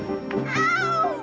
aduh aduh sakit